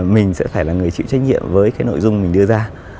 mình sẽ phải là người chịu trách nhiệm với cái nội dung mình đưa ra